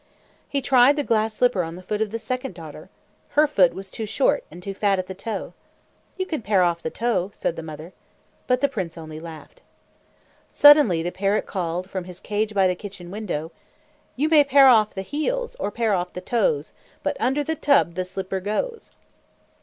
He tried the glass slipper on the foot of the second daughter. Her foot was too short and too fat at the toe. "You can pare off the toe," said the mother. But the prince only laughed. Suddenly the parrot called, from his cage by the kitchen window, "You may pare off the heels, Or pare off the toes, But under the tub The slipper goes."